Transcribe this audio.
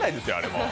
もう。